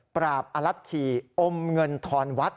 ปราบอลัทธิอมเงินทรวรรษ